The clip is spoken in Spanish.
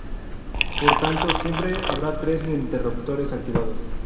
Por tanto, siempre habrá tres interruptores activados.